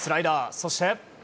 そして。